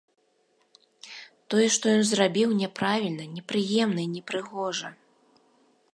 Тое, што ён зрабіў, няправільна, непрыемна і непрыгожа.